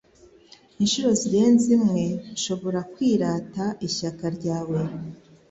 inshuro zirenze imwe nshobora kwirata ishyaka ryawe